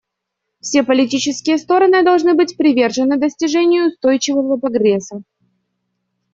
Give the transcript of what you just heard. Все политические стороны должны быть привержены достижению устойчивого прогресса.